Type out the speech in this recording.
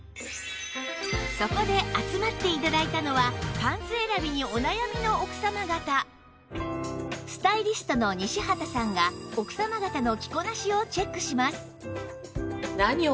そこで集まって頂いたのはスタイリストの西畑さんが奥様方の着こなしをチェックします